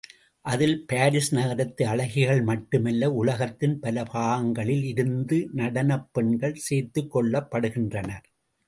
அதில் பாரிஸ் நகரத்து அழகிகள் மட்டும் அல்ல உலகத்தின் பல பாகங்களில் இருந்து நடனப் பெண்கள் சேர்த்துக்கொள்ளப்படுகின்றனர்.